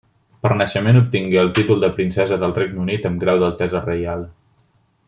Per naixement obtingué el títol de princesa del Regne Unit amb grau d'Altesa Reial.